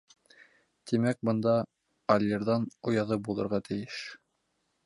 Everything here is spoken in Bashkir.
Тимәк, бында алйырҙан ояҙы булырға тейеш.